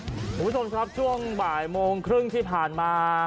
คุณผู้ชมครับช่วงบ่ายโมงครึ่งที่ผ่านมา